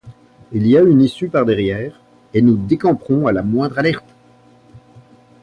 Il y a une issue par derrière, et nous décamperons à la moindre alerte!